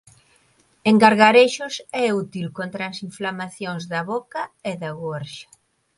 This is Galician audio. En gargarexos é útil contra as inflamacións da boca e da gorxa.